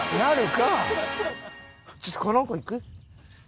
ちょっとこの子いく？